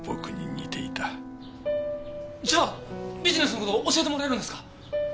じゃあビジネスの事を教えてもらえるんですか？